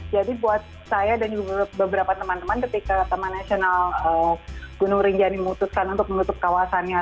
jadi buat saya dan juga beberapa teman teman ketika taman nasional gunung rinjani memutuskan untuk menutup kawasannya